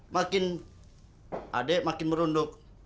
makin adik makin merunduk